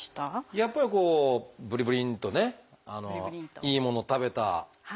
やっぱりこうブリブリンとねいいもの食べた。